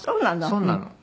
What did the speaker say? そうなの。